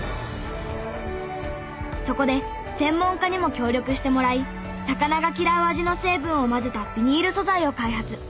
そこで専門家にも協力してもらい魚が嫌う味の成分を混ぜたビニール素材を開発。